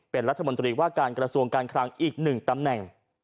เป็นรัฐมนตรีว่าการกระทรวงการคลังอีก๑ตำแหน่ง